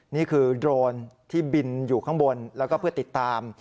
โดรนที่บินอยู่ข้างบนแล้วก็เพื่อติดตาม